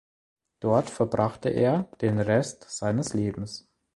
Dort verbrachte er den Rest seines Lebens.